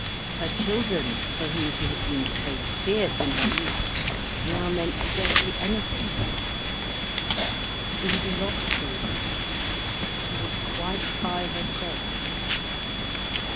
Her children, for whom she had been so fierce in her youth, now meant scarcely anything to her. She had lost all that, she was quite by herself.